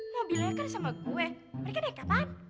lha mobilnya kan sama gue mereka naik kapan